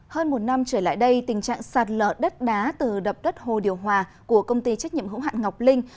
hơn một năm trở lại đây tình trạng sạt lở đất đá từ đập đất hồ điều hòa của công ty trách nhiệm hữu hạn ngọc linh